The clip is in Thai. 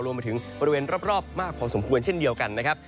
รวมไปถึงบริเวณรอบมากพอสมควรเช่นเดียวกันนะครับ